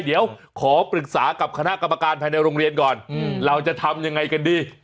เดี๋ยวขอปรึกษากับคณะกรรมการภายในโรงเรียนก่อนเราจะทำยังไงกันดี